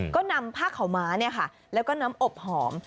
ก็นำผ้าขาวม้าแล้วก็น้ำอบหอม